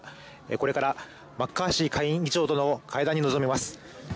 これからマッカーシー下院議長との会談に臨みます。